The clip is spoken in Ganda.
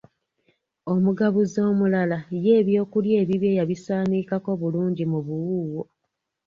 Omugabuzi omulala ye eby'okulya ebibye yabisaanikako bulungi mu buwuuwo.